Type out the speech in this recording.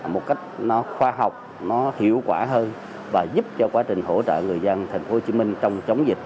một cách nó khoa học nó hiệu quả hơn và giúp cho quá trình hỗ trợ người dân thành phố hồ chí minh trong chống dịch